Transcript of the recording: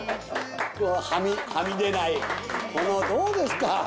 どうですか？